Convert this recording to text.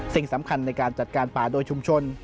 สิ่งสำคัญในการจัดการป่าโดยชุมชน